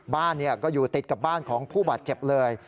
บ้านก็อยู่ติดกับบ้านของผู้บาดเจ็บเลย